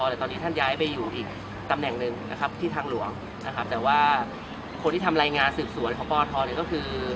แต่ตอนนี้ท่านย้ายไปอยู่อีกตำแหน่งนึงที่ทางหลวงแต่ว่าคนที่ทำรายงานสื่อสวนของพธก็คือ